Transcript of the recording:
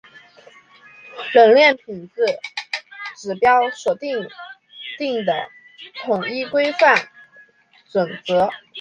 冷链品质指标所订定的统一规范准则。